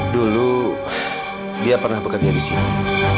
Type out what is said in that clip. dulu dia pernah bekerja di sana